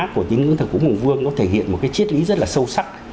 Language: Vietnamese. của tín ngưỡng thở cúng hùng vương nó thể hiện một cái chiết lý rất là sâu sắc